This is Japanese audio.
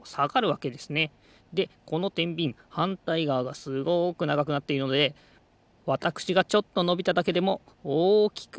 でこのてんびんはんたいがわがすごくながくなっているのでわたくしがちょっとのびただけでもおおきくうごくと。